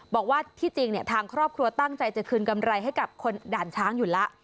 บอกว่าที่จริงทางครอบครัวตั้งใจจะคืนกำไรให้กับคนด่านช้างอยู่แล้ว